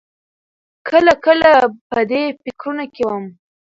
کله کله په دې فکرونو کې وم.